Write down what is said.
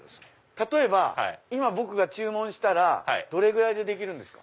例えば今僕が注文したらどれぐらいでできるんですか？